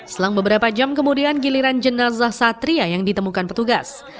selang beberapa jam kemudian giliran jenazah satria yang ditemukan petugas